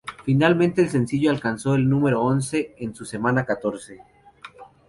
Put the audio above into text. Finalmente el sencillo alcanzó el número once en su semana catorce.